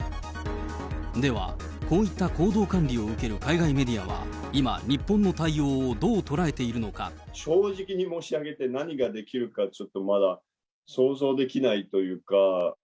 では、こういった行動管理を受ける海外メディアは、今、正直に申し上げて、何ができるか、ちょっとまだ想像できないというか。